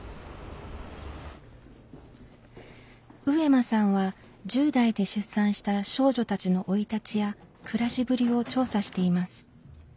上間さんは１０代で出産した少女たちの生い立ちや暮らしぶりを調査しています。